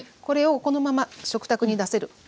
これをこのまま食卓に出せる。